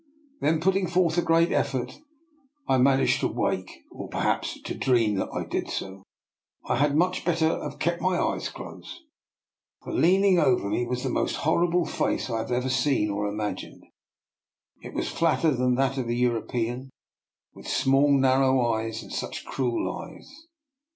Then, putting forth a great effort, I managed to wake, or perhaps to dream that I did so. I had much better have kept my eyes closed, for leaning over me was the most horrible face I have ever seen or imagined. It was flatter than that of a Euro pean, with small, narrow eyes, and such cruel eyes."